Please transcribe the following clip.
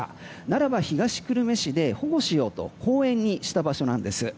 ならば東久留米市で保護しようと公園にした場所なんです。